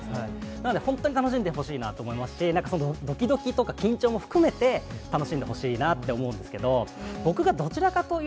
なので本当に楽しんでほしいなと思いますし、どきどきとか緊張も含めて、楽しんでほしいなって思うんですけど、僕がどちらかとい